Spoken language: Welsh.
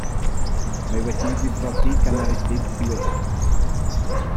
Mae wedi'i ddifrodi gan aredig diweddar.